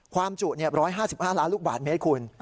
ความจุ๑๕๕ล้านลูกบาทเมตรคุณ